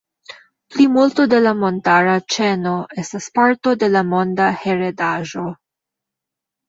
Plimulto de la montara ĉeno estas parto de la Monda heredaĵo.